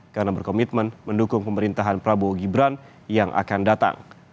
karena berkomitmen mendukung pemerintahan prabowo gibran yang akan datang